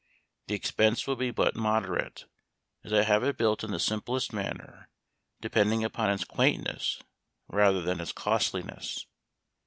The expense will be but moderate, as I have it built in the simplest manner, depending upon its quaintness rather than its costliness."